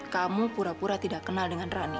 kamu pura pura tidak kenal dengan rani